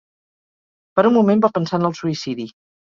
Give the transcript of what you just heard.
Per un moment va pensar en el suïcidi.